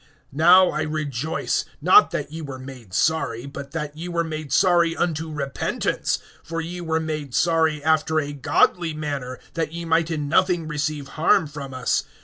(9)Now I rejoice, not that ye were made sorry, but that ye were made sorry unto repentance; for ye were made sorry after a godly manner, that ye might in nothing receive harm from us.